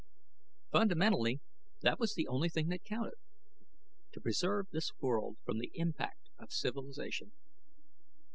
Fundamentally that was the only thing that counted: to preserve this world from the impact of civilization.